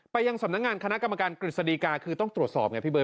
ยังสำนักงานคณะกรรมการกฤษฎีกาคือต้องตรวจสอบไงพี่เบิ